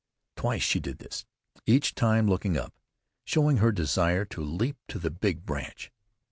Twice she did this, each time looking up, showing her desire to leap to the big branch.